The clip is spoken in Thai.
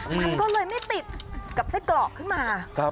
มันก็เลยไม่ติดกับไส้กรอกขึ้นมา